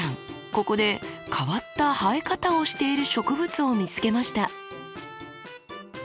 ここで変わった生え方をしている植物を見つけました。